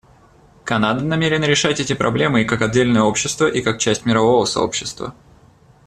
Канада намерена решать эти проблемы и как отдельное общество и как часть мирового сообщества.